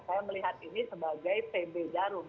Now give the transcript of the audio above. saya melihat ini sebagai pb jarum